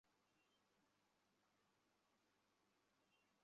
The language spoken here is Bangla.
আলসেমি বাদ দে।